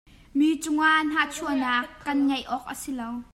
Mi cungah nahchuaknak kan ngeih awk a si lo.